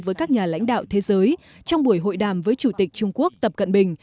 với các nhà lãnh đạo thế giới trong buổi hội đàm với chủ tịch trung quốc tập cận bình